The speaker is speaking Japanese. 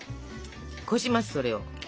こしますそれを。